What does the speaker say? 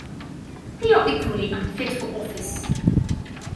They are equally unfit for office